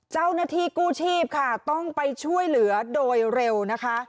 เจ้าหน้าที่กู้ชีพค่ะต้องไปช่วยเหลือโดยเร็วนะคะ